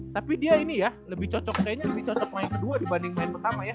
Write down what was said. tapi dia ini ya lebih cocok kayaknya lebih cocok main kedua dibanding main pertama ya